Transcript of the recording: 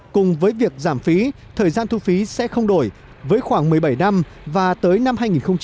cùng với việc giảm phí thời gian thu phí sẽ không đổi với khoảng một mươi bảy năm và tới năm hai nghìn hai mươi